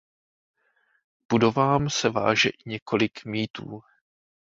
K budovám se váže i několik mýtů.